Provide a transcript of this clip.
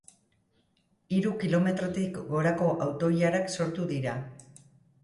Hiru kilometrotik gorako auto-ilarak sortu dira.